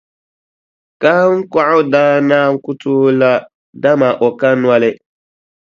Kahiŋkɔɣu daa naan ku tooi la, dama o ka noli.